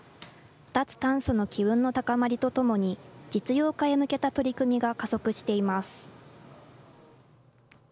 脱炭素の機運の高まりとともに、実用化へ向けた取り組みが加速しています。